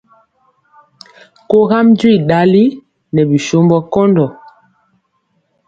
Kogam jwi ɗali nɛ bisombɔ kɔndɔ.